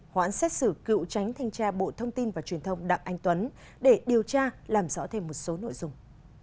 hoãn xét xử cựu tránh thanh tra bộ thông tin và truyền thông đặng anh tuấn để điều tra làm rõ thêm một số nội dung